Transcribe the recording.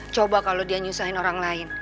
coba kalau dia nyusahin orang lain